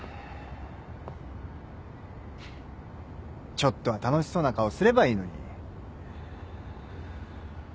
ちょっとは楽しそうな顔すればいいのに。